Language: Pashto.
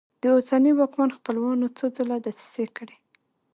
د اوسني واکمن خپلوانو څو ځله دسیسې کړي.